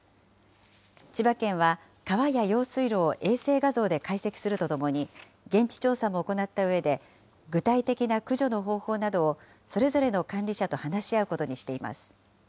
千葉県は、川や用水路を衛星画像で解析するとともに、現地調査も行ったうえで、具体的な駆除の方法などをそれぞれの管理者と話し合うことにしています。